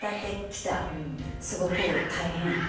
すごく大変。